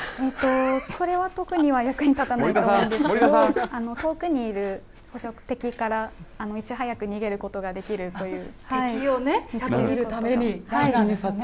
これは特には役に立たないと思うんですけれども、遠くにいる敵からいち早く逃げることができるという。